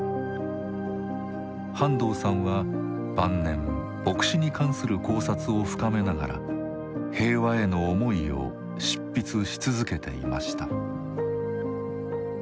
半藤さんは晩年墨子に関する考察を深めながら平和への思いを執筆し続けていました。